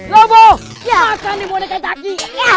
lobo makan nih boneka daki